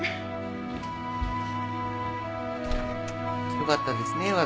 よかったですね